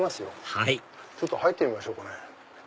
はい入ってみましょうかね。